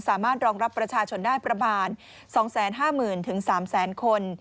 สามารถรองรับประชาชนได้ประมาณ๒๕๐๐๐๓๐๐คน